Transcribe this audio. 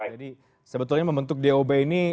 jadi sebetulnya membentuk dob ini